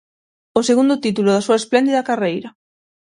O segundo título da súa espléndida carreira.